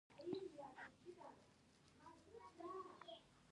دوی په شمالي هند کې ډیرې کلاګانې جوړې کړې.